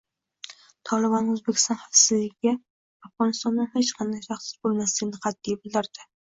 Tolibon O‘zbekiston xavfsizligiga Afg‘onistondan hech qanday tahdid bo‘lmasligini qat’iy bildirdi